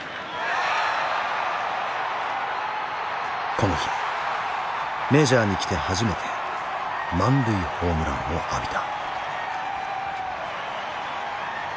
この日メジャーに来て初めて満塁ホームランを浴びた。